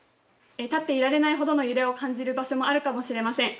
立っていられないほどの揺れを感じる場所もあるかもしれません。